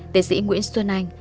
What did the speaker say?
tỉ sĩ nguyễn xuân anh